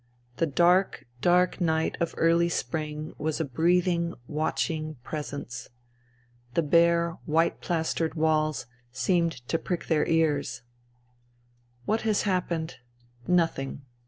The dark, dark night of early spring was a breathing, watching presence. The bare white plastered walls seemed to prick their ears. What has happened ? Nothing.